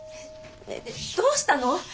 どうしたの？